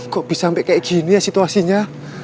kok bisa sampai kayak gini ya situasinya